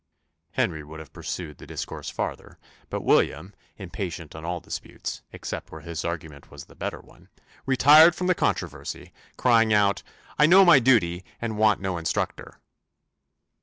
Henry would have pursued the discourse farther; but William, impatient on all disputes, except where his argument was the better one, retired from the controversy, crying out, "I know my duty, and want no instructor."